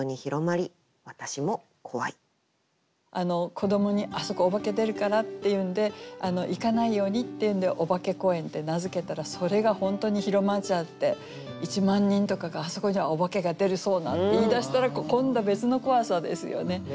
子どもに「あそこおばけ出るから」っていうんで行かないようにっていうんで「おばけ公園」って名付けたらそれが本当に広まっちゃって１万人とかが「あそこにはおばけが出るそうな」って言い出したら今度別の怖さですよね。